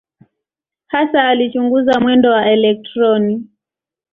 Hasa alichunguza mwendo wa elektroni.